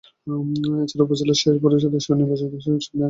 এছাড়া উপজেলা পরিষদের নির্বাচিত চেয়ারম্যান ও ভাইস-চেয়ারম্যান রয়েছেন।